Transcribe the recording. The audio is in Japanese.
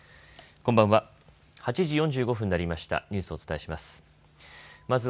こんばんは。